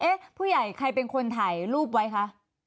ผู้ใหญ่ใครเป็นคนถ่ายรูปไว้คะ